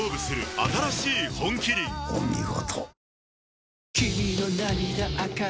お見事。